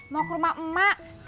mau ke rumah emak